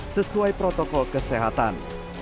sesuai protokol kesehatan